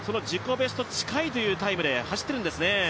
ベスト近いタイムで走っているんですね。